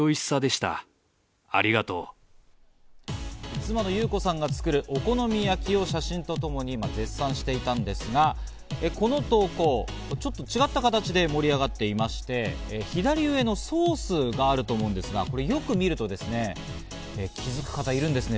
妻の裕子さんが作るお好み焼きを写真とともに絶賛していたんですが、この投稿、ちょっと違った形で盛り上がっていまして、左上のソースがあると思うんですが、よく見ると気づく方がいるんですね。